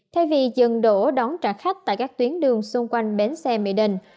thay vì dừng đổ đón trả khách tại các tuyến đường xung quanh bến xe mỹ đình